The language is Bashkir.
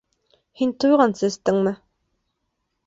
— Һин туйғансы эстеңме?